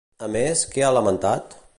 A més, què ha lamentat?